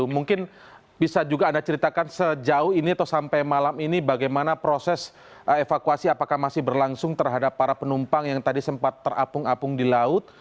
mungkin bisa juga anda ceritakan sejauh ini atau sampai malam ini bagaimana proses evakuasi apakah masih berlangsung terhadap para penumpang yang tadi sempat terapung apung di laut